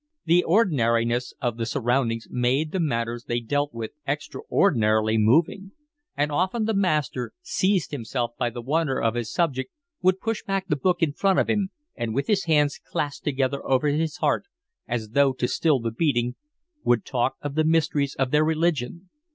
The ordinariness of the surroundings made the matters they dealt with extraordinarily moving. And often the master, seized himself by the wonder of his subject, would push back the book in front of him, and with his hands clasped together over his heart, as though to still the beating, would talk of the mysteries of their religion.